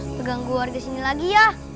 pegang gue disini lagi ya